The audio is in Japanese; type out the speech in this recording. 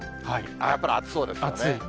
やっぱり暑そうですね。